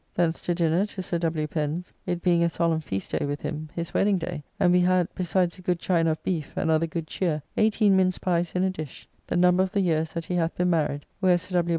Thence to dinner to Sir W. Pen's, it being a solemn feast day with him, his wedding day, and we had, besides a good chine of beef and other good cheer, eighteen mince pies in a dish, the number of the years that he hath been married, where Sir W.